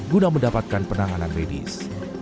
guna mendapatkan penanganan medis